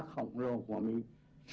khổng lồ của mình